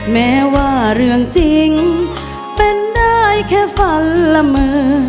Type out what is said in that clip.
แม้ว่าเรื่องจริงเป็นได้แค่ฝันละเมอ